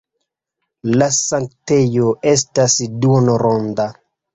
La sanktejo estas duonronda.